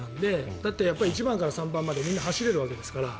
だって、１番から３番までみんな走れるわけですから。